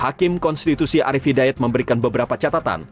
hakim konstitusi arief hidayat memberikan beberapa catatan